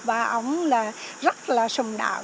và ông là rất là sùng đạo